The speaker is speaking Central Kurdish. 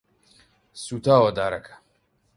سوتاوە دارەکە.